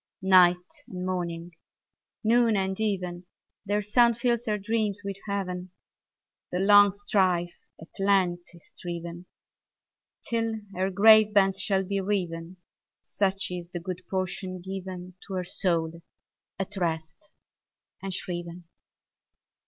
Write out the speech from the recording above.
Night and morning, noon and even, Their sound fills her dreams with Heaven: The long strife at lent is striven: Till her grave bands shall be riven 20 Such is the good portion given To her soul at rest and shriven.